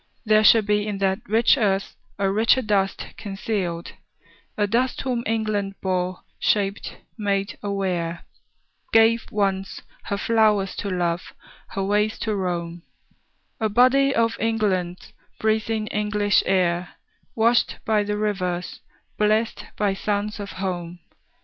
There shall be In that rich earth a richer dust concealed; A dust whom England bore, shaped, made aware, Gave, once, her flowers to love, her ways to roam, A body of England's, breathing English air, Washed by the rivers, blest by suns of home.